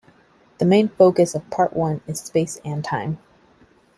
The main focus of Part One is space and time.